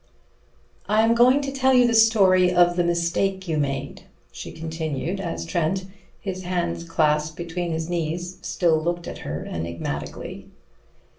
"I am going to tell you the story of the mistake you made," she continued, as Trent, his hands clasped between his knees, still looked at her enigmatically.